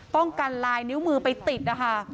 กันลายนิ้วมือไปติดนะคะ